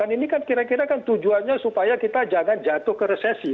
ini kan kira kira kan tujuannya supaya kita jangan jatuh ke resesi